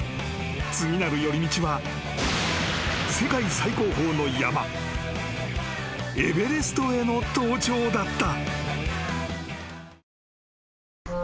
次なる寄り道は世界最高峰の山エベレストへの登頂だった］